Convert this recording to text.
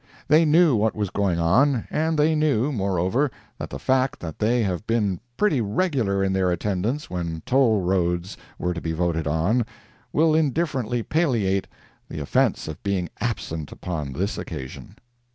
They knew what was going on, and they knew, moreover, that the fact that they have been pretty regular in their attendance when toll roads were to be voted on, will indifferently palliate the offense of being absent upon this occasion.